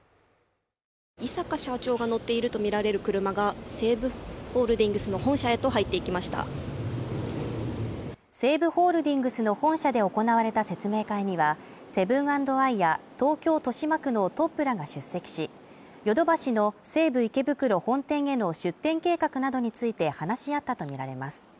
井坂社長が乗っているとみられる車が西武ホールディングスの本社へと入っていきました西武ホールディングスの本社で行われた説明会にはセブン＆アイや東京豊島区のトップらが出席し、ヨドバシの西武池袋本店への出店計画などについて話し合ったとみられます